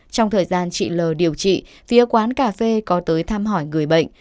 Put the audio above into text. trong thời gian chị l điều trị phía quán cà phê có tới thăm hỏi người bệnh